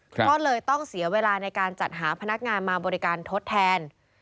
ก็เลยต้องเสียเวลาในการจัดหาพนักงานมาบริการทดแทน